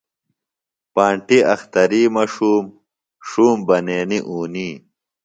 پانٹیۡ اختری مہ ݜُوم، ݜُوم ، بنینی اُونی